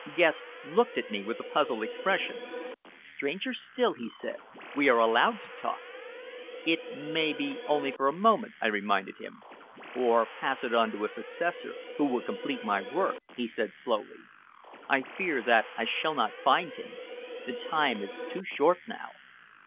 Guest looked at me with a puzzled expression. "Stranger still!" he said, "we are allowed to talk." "It may be only for a moment," I reminded him. "Or pass it on to a successor who will complete my work," he said slowly. "I fear that I shall not find him. The time is too short now."